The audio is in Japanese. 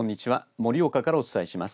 盛岡からお伝えします。